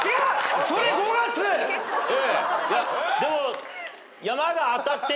でも。